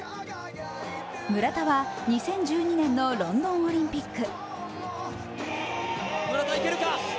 村田は２０１２年のロンドンオリンピック。